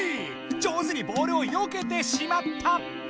上手にボールをよけてしまった！